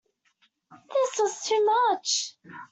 This was too much.